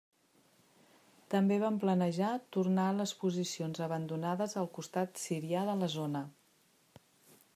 També van planejar tornar a les posicions abandonades al costat sirià de la zona.